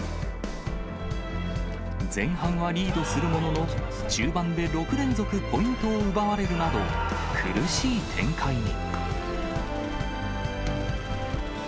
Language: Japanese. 前半はリードするものの、中盤で６連続ポイントを奪われるなど、苦しい展開に。